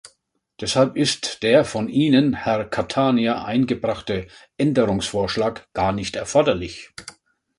Deshalb ist der von Ihnen, Herr Catania, eingebrachte Änderungsvorschlag gar nicht erforderlich.